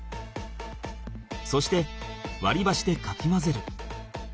そしてわりばしでかき混ぜる。